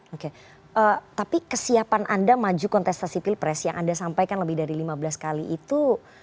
oke tapi kesiapan anda maju kontestasi pilpres yang anda sampaikan lebih dari lima belas kali itu